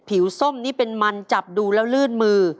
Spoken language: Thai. ส้มนี่เป็นมันจับดูแล้วลื่นมือ